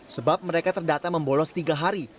sebab mereka terdata membolos tiga hari